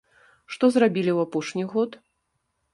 Што зрабілі ў апошні год?